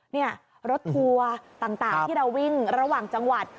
นี่รถทัวร์ต่างที่เราวิ่งระหว่างจังหวัด